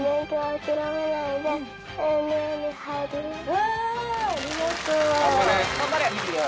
うわありがとう。